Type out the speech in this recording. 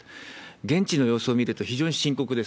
現地の様子を見ると、非常に深刻です。